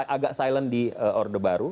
agak silent di orde baru